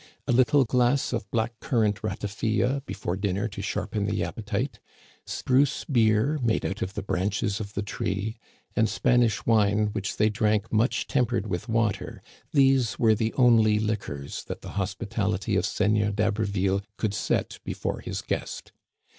A little glass of black currant ratafia before dinner to sharpen the appetite, spruce beer made out of the branches of the tree, and Spanish wine which they drank much tempered with water, these were the only liquors that the hospitality of Seigneur d'Haberville could set before his guest.